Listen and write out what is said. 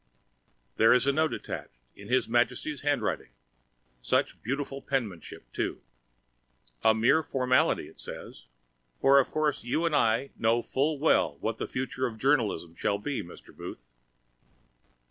There was a note attached, in His Majesty's handwriting such beautiful penmanship, too. "A mere formality," it said, "for, of course, you and I know full well what the future of journalism shall be, Mr. Booth."